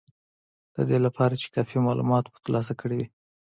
د دې لپاره چې کافي مالومات مو ترلاسه کړي وي